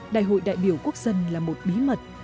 đại hội đại biểu quốc dân là một bí mật